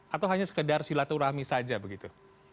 atau hanya sekedar silaturahmi saja begitu